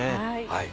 はい。